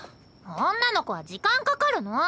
女の子は時間かかるの。